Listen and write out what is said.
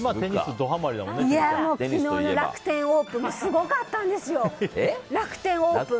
昨日の楽天オープンもすごかったんですよ。